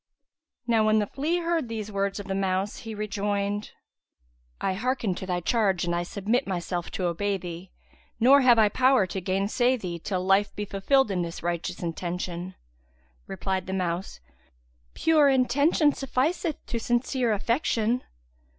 '" Now when the flea heard these words of the mouse, he rejoined, "I hearken to thy charge and I submit myself to obey thee, nor have I power to gainsay thee, till life be fulfilled in this righteous intention." Replied the mouse, "Pure intention sufficeth to sincere affection."